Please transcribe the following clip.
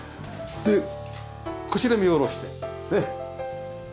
でこちら見下ろして。